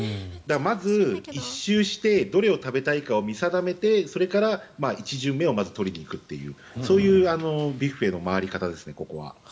まず、１周してどれを食べたいかを見定めてそれから１巡目をまず取りに行くというそういう、ここはビュッフェの回り方ですね。